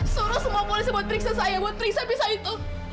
suruh semua polisi buat periksa saya buat periksa pisau itu